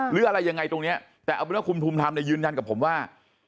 หรืออะไรอย่างไรตรงนี้แต่คุณภูมิธรรมยืนยันกับผมว่า